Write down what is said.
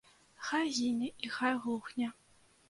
Хай гіне і хай глухне.